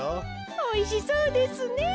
おいしそうですね。